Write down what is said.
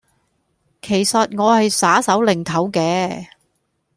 其實我係耍手擰頭嘅